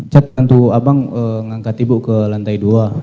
cat bantu abang ngangkat ibu ke lantai dua